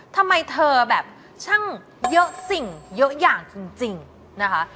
ทำไมเธอแบบช่างเยอะสิ่งเยอะอย่างจริงนะคะ